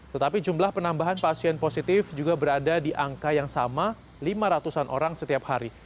tetapi jumlah penambahan pasien positif juga berada di angka yang sama lima ratus an orang setiap hari